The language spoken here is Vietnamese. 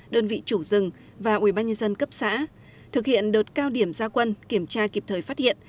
đơn vị chủ rừng và ubnd cấp xã thực hiện đợt cao điểm gia quân kiểm tra kịp thời phát hiện